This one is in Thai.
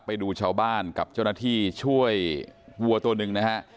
ไปดูชาวบ้านกับเจ้าหน้าที่ช่วยวัวตัวหนึ่งนะฮะ